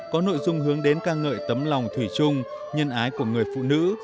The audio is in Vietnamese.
có nội dung hướng đến ca ngợi tấm lòng thủy chung nhân ái của người phụ nữ